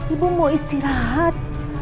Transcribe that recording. ibu mau istirahat